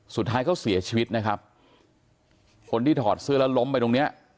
สุดท้ายเขาเสียชีวิตนะครับคนที่ถอดเสื้อแล้วล้มไปตรงเนี้ย